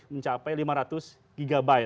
mencapai lima ratus gb